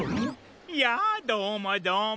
やあどうもどうも。